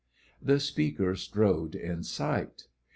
'" The speaker strode in sight.